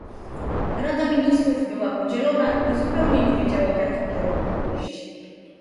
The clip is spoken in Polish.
Rada Ministrów była podzielona i zupełnie nie wiedziała, w jakim kierunku pójść